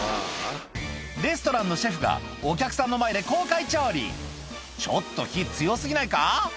レストランのシェフがお客さんの前で公開調理ちょっと火強過ぎないか？